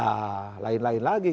nah lain lain lagi